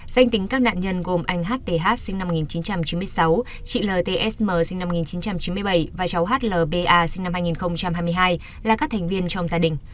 danh tính các nạn nhân gồm anh hth sinh năm một nghìn chín trăm chín mươi sáu chị ltsm sinh năm một nghìn chín trăm chín mươi bảy và cháu hlba sinh năm hai nghìn hai mươi hai là các thành viên trong gia đình